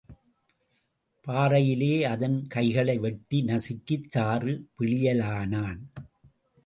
பாறையிலே அதன் கைகளை வெட்டி நசுக்கிச் சாறு பிழியலானான்.